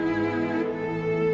saya udah nggak peduli